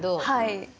はい。